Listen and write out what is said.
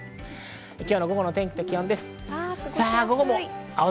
今日の午後の天気と気温です。